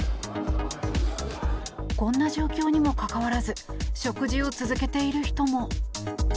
こんな状況にもかかわらず食事を続けている人も。